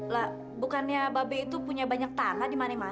lah bukannya babe itu punya banyak tanah dimana mana